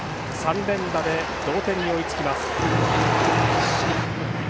３連打で同点に追いつきます。